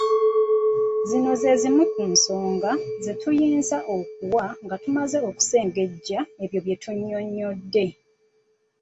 Zino ze zimu ku nsonga ze tuyinza okuwa nga tumaze okusengejja ebyo bye tunnyonnyodde.